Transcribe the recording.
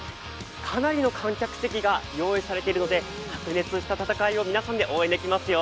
かなりの観客席が用意されているので、白熱した戦いを皆さんで応援できますよ。